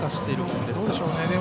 どうでしょうね。